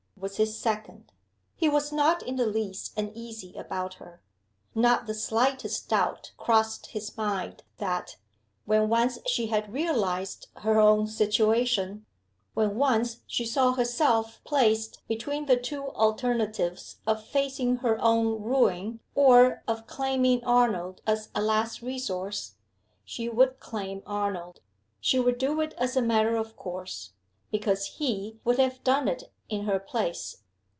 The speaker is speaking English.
was his second. He was not in the least uneasy about her. Not the slightest doubt crossed his mind that, when once she had realized her own situation, when once she saw herself placed between the two alternatives of facing her own ruin or of claiming Arnold as a last resource, she would claim Arnold. She would do it as a matter of course; because he would have done it in her place.